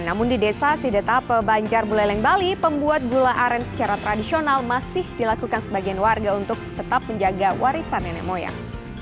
namun di desa sidetape banjar buleleng bali pembuat gula aren secara tradisional masih dilakukan sebagian warga untuk tetap menjaga warisan nenek moyang